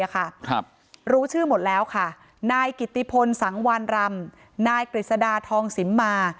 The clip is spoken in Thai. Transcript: รู้ชื่อหมดแล้วค่ะนายกิติพลสังวานรำนายกฤษดาทองสิมมา